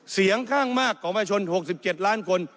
เสียงข้างมากของประชาชน๖๗ล้านคน